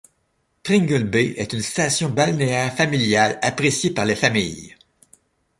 Pringle Bay est une station balnéaire familiale, appréciée par les familles.